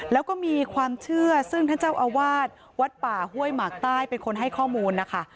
แล้วก็มีความเชื่อซึ่งท่านเจ้าอาวาสวัดป่าห้วยหมากใต้เป็นคนให้ข้อมูลนะคะ